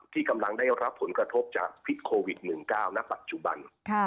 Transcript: ที่กำลังได้รับผลกระทบจากพิษโควิด๑๙ณปัจจุบัน